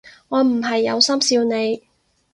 我唔係有心笑你